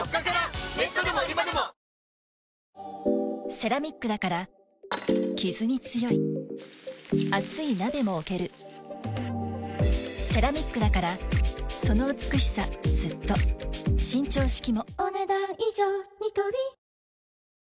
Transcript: セラミックだからキズに強い熱い鍋も置けるセラミックだからその美しさずっと伸長式もお、ねだん以上。